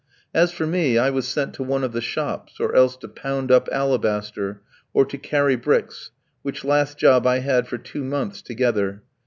As for me, I was sent to one of the shops, or else to pound up alabaster, or to carry bricks, which last job I had for two months together.